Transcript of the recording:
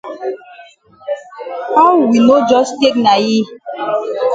How we no jus take na yi?